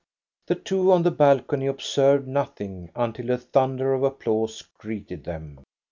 The two on the balcony observed nothing until a thunder of applause greeted them.